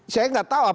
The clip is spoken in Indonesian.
saya enggak tahu